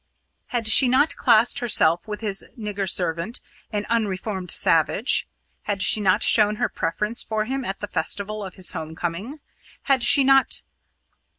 Had she not classed herself with his nigger servant, an unreformed savage? Had she not shown her preference for him at the festival of his home coming? Had she not